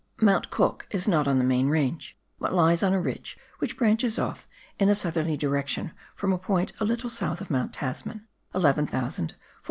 Mount Cook is not on the main range, but lies on a ridge which branches off in a southerly direction from a point a little south of Mount Tasman (11,475 ft.).